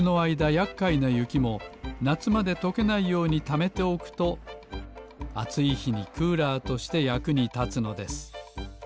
やっかいなゆきもなつまでとけないようにためておくとあついひにクーラーとしてやくにたつのです